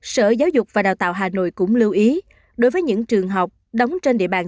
sở giáo dục và đào tạo hà nội cũng lưu ý đối với những trường học đóng trên địa bàn